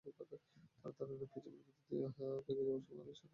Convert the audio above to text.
তাঁর ধারণা প্রিজমের ভেতর দিয়ে যাওয়ার সময় সাতটা আলো বিভিন্ন কোণে বেঁকে যায়।